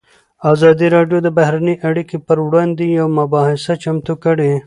ازادي راډیو د بهرنۍ اړیکې پر وړاندې یوه مباحثه چمتو کړې.